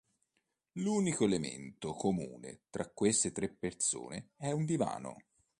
L'unico elemento comune tra queste tre persone è un divano.